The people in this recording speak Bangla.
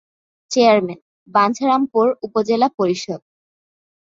চেয়ারম্যান:বাঞ্ছারামপুর উপজেলা পরিষদ।